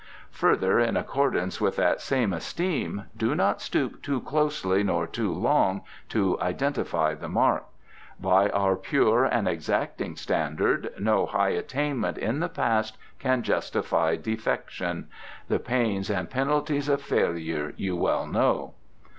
Further, in accordance with that same esteem, do not stoop too closely nor too long to identify the mark. By our pure and exacting standard no high attainment in the past can justify defection. The pains and penalties of failure you well know."